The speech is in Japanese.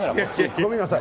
ごめんなさい。